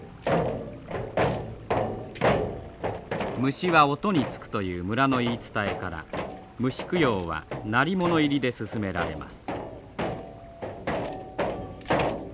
虫は音につくという村の言い伝えから虫供養は鳴り物入りで進められます。